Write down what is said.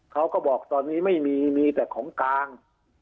เขาก็บอกตอนนี้ไม่มีมีแต่ของกลาง